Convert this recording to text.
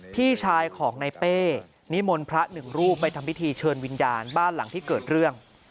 พี่ชายของในเป้นิมนต์พระหนึ่งรูปไปทำพิธีเชิญวิญญาณบ้านหลังที่เกิดเรื่อง